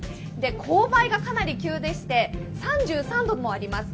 勾配がかなり急でして３３度もあります。